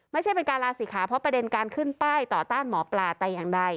ไม่ใช่เป็นการลาศิขาเพราะประเด็นการขึ้นป้ายต่อต้านหมอปลาแต่อย่างใด